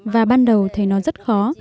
và ban đầu thấy nó rất khó